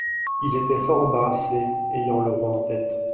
Il était fort embarrassé, ayant le roi en tête.